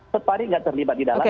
setelah ini tidak terlibat di dalam